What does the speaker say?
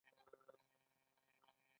هله پټ شه.